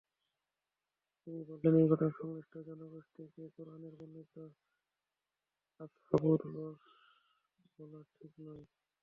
তিনি বলেছেন, এই ঘটনা সংশ্লিষ্ট জনগোষ্ঠীকে কুরআনে বর্ণিত আসহাবুর রসস বলা ঠিক নয়।